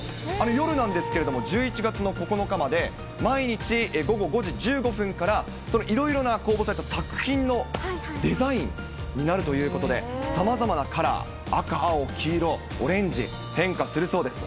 夜なんですけど、１１月の９日まで、毎日午後５時１５分から、いろいろな公募された作品のデザインになるということで、さまざまなカラー、赤、青、オレンジ、変化するそうです。